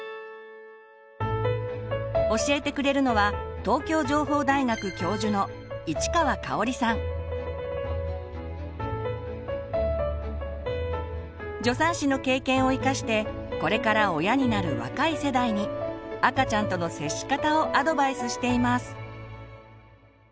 教えてくれるのは助産師の経験を生かしてこれから親になる若い世代に赤ちゃんとの接し方をアドバイスしています。